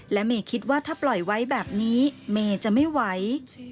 และเมย์คิดว่าถ้าปล่อยไว้แบบนี้เมย์จะไม่ไหว